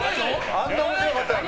あんな面白かったのに。